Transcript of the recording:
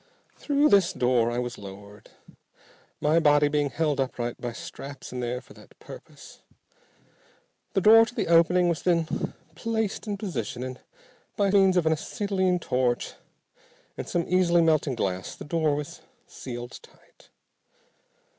Through this door I was lowered, my body being held upright by straps in there for that purpose. The door to the opening was then placed in position, and by means of an acetylene torch and some easily melting glass, the door was sealed tight.